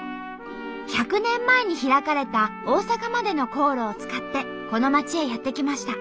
１００年前に開かれた大阪までの航路を使ってこの街へやって来ました。